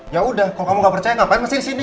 ya udah kalau kamu gak percaya ngapain masih disini